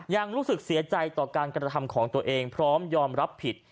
ยังรู้สึกเสียใจต่อการกระทำของตัวเองพร้อมยอมรับผิด